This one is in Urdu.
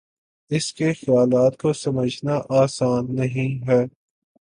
اس کے خیالات کو سمجھنا آسان نہیں ہے